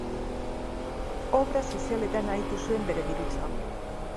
Obra sozialetan ahitu zuen bere dirutza.